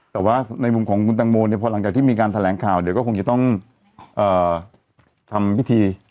แต่ว่าในมุมของคุณตังโมเนี่ยพอหลังจากที่มีการแถลงข่าวเดี๋ยวก็คงจะต้องทำพิธี